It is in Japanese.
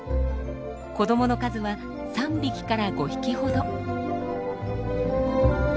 子どもの数は３匹から５匹ほど。